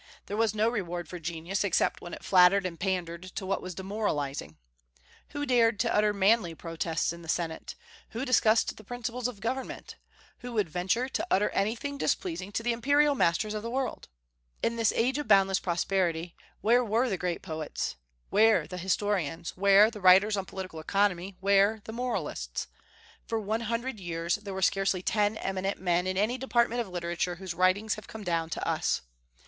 There was no reward for genius except when it flattered and pandered to what was demoralizing. Who dared to utter manly protests in the Senate? Who discussed the principles of government? Who would venture to utter anything displeasing to the imperial masters of the world? In this age of boundless prosperity, where were the great poets, where the historians, where the writers on political economy, where the moralists? For one hundred years there were scarcely ten eminent men in any department of literature whose writings have come down to us.